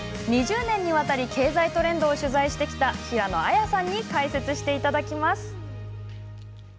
２０年にわたり経済トレンドを取材してきた平野亜矢さんに解説していただきます。